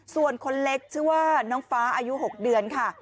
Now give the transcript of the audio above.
ส่วนคนเล็กชื่อว่าน้องฟ้าอายุ๖เดือนค่ะ